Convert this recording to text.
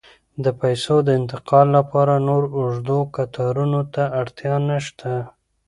د پیسو د انتقال لپاره نور اوږدو کتارونو ته اړتیا نشته.